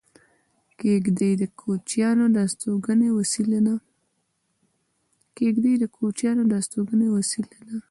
کېږدۍ د کوچیانو د استوګنې وسیله ده